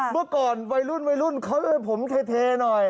เมื่อก่อนวัยรุ่นเขามีผมเทหน่อย